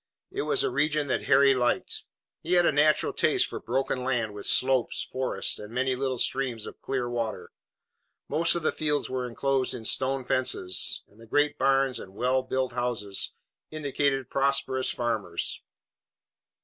It was a region that Harry liked. He had a natural taste for broken land with slopes, forests, and many little streams of clear water. Most of the fields were enclosed in stone fences, and the great barns and well built houses indicated prosperous farmers.